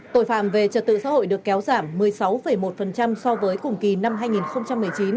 tội phạm về trật tự xã hội được kéo giảm một mươi sáu một so với cùng kỳ năm hai nghìn một mươi chín